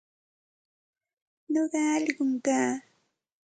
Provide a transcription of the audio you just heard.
Nuqa ullqum kaa.